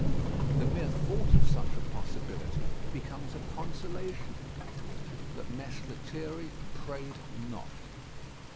The mere thought of such a possibility becomes a consolation. But Mess Lethierry prayed not.